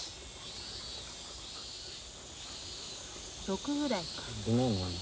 ６ぐらいか。